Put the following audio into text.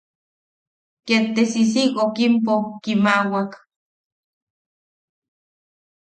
Ket te sisiwookimpo kiimawak.